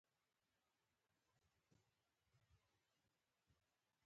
دځنګل حاصلات د افغان کلتور په داستانونو کې راځي.